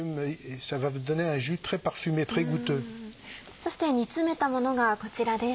そして煮詰めたものがこちらです。